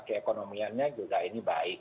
keekonomiannya juga ini baik